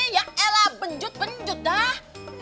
ya elah benjut benjut dah